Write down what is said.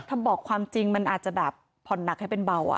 ถ้าบอกความจริงมันอาจจะแบบผ่อนหนักให้เป็นเบา